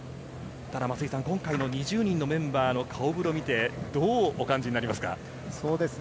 今回の２０人のメンバーの顔ぶれを見て、どうお感じになりますか？